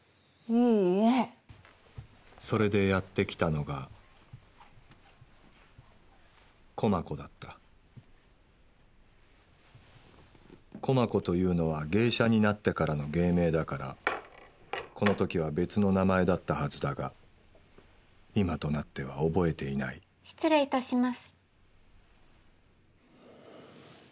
それでやって来たのが駒子だった駒子というのは芸者になってからの芸名だからこの時は別の名前だったはずだが今となっては覚えていない失礼いたします。